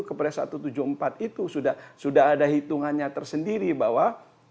kepres satu ratus tujuh puluh empat itu sudah ada hitungannya tersendiri bahwa